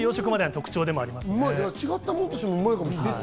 違ったものとしてもうまいかもしれない。